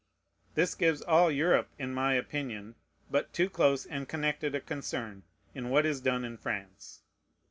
This gives all Europe, in my opinion, but too close and connected a concern in what is done in France.